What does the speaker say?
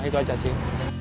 itu saja sih